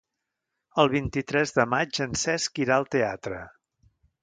El vint-i-tres de maig en Cesc irà al teatre.